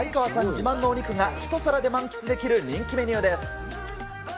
自慢のお肉が一皿で満喫できる人気メニューです。